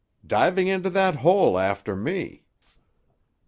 "Diving into that hole after me."